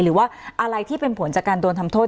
หรือว่าอะไรที่เป็นผลจากการโดนทำโทษ